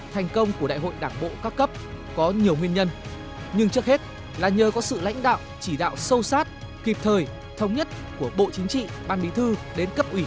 thành công của đại hội đảng bộ các cấp có nhiều nguyên nhân nhưng trước hết là nhờ có sự lãnh đạo chỉ đạo sâu sát kịp thời thống nhất của bộ chính trị ban bí thư đến cấp ủy